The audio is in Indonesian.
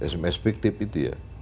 sms fiktif itu ya